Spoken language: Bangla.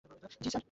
জ্বী, স্যার?